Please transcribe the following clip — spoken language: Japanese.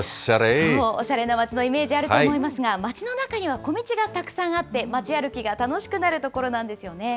そう、おしゃれな街のイメージあると思いますが、街の中には小道がたくさんあって、街歩きが楽しくなる所なんですよね。